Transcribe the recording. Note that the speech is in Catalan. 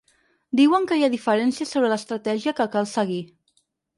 Diuen que hi ha diferències sobre l’estratègia que cal seguir.